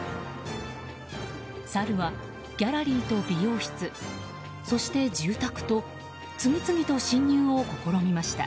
サルはギャラリーと美容室そして住宅と次々と侵入を試みました。